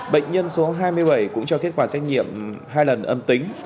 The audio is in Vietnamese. bệnh nhân số hai mươi bảy cũng cho kết quả xét nghiệm hai lần âm tính